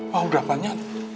wah udah banyak